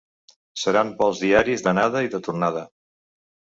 Seran vols diaris d’anada i de tornada.